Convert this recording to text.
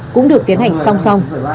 cũng được tiến hành song song